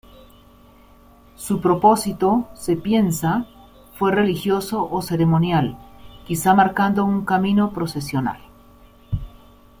Su propósito, se piensa, fue religioso o ceremonial, quizá marcando un camino procesional.